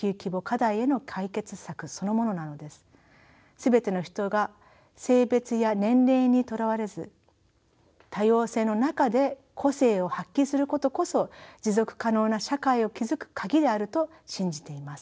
全ての人が性別や年齢にとらわれず多様性の中で個性を発揮することこそ持続可能な社会を築く鍵であると信じています。